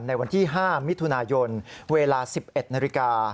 ในวันที่๕มิถุนายนเวลา๑๑นาฬิกา